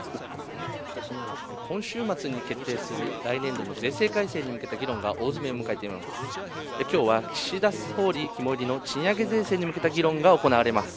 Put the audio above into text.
今週末に決定する来年度の税制改正について議論が大詰めを迎えています。